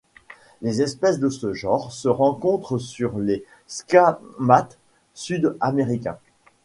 Les espèces de ce genre se rencontrent sur des squamates sud-américains.